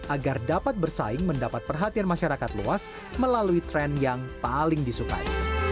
agar dapat bersaing mendapat perhatian masyarakat luas melalui tren yang paling disukai